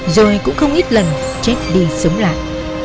rồi cũng không ít lần chết đi sớm lại